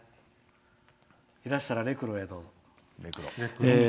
いらしたら、レ・クロへどうぞ。